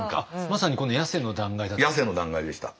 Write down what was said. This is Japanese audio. まさにこのヤセの断崖だった？